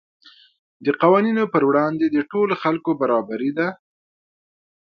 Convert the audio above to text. د قوانینو په وړاندې د ټولو خلکو برابري ده.